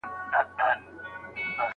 زوی په لاره کي نه تم کېده.